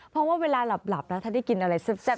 เพราะว่าเวลาหลับนะถ้าได้กินอะไรแซ่บ